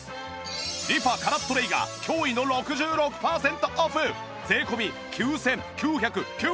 リファカラットレイが驚異の６６パーセントオフ税込９９９０円！